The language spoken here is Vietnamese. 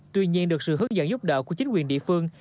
tuy nhiên được sự hướng dẫn giúp đỡ của chính quyền địa phương